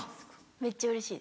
めっちゃうれしい。